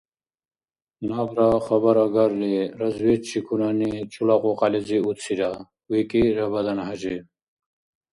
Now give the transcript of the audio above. — Набра хабарагарли, разведчикунани чула кьукьялизи уцира! — викӀи РабаданхӀяжи.